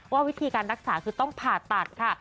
วิธีการรักษาคือต้องผ่าตัดค่ะ